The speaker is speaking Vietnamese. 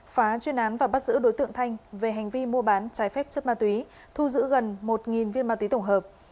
phá chuyên án và bắt giữ đối tượng thanh về hành vi mua bán trái phép chất ma túy thu giữ gần một viên ma túy tổng hợp